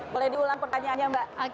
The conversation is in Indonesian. boleh diulang pertanyaannya mbak